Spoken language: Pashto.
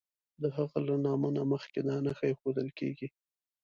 د هغه له نامه نه مخکې دا نښه ایښودل کیږي.